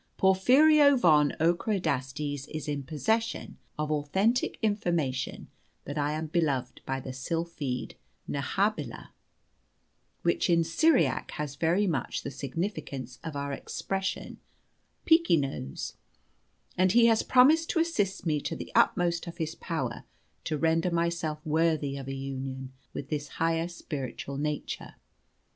Porphyrio von Ockerodastes is in possession of authentic information that I am beloved by the sylphide Nehabilah (which in Syriac has very much the signification of our expression 'Peaky nose'), and he has promised to assist me to the utmost of his power to render myself worthy of a union with this higher spiritual nature.